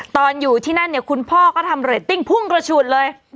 ตอนที่นั่นเนี่ยคุณพ่อก็ทำเรตติ้งพุ่งกระฉุดเลย